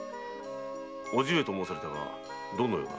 伯父上と申されたがどのような？